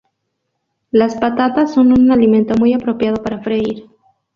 Las patatas son un alimento muy apropiado para freír.